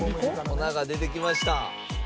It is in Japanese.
粉が出てきました。